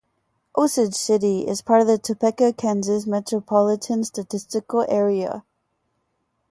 Osage City is part of the Topeka, Kansas Metropolitan Statistical Area.